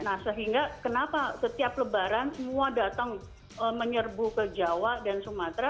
nah sehingga kenapa setiap lebaran semua datang menyerbu ke jawa dan sumatera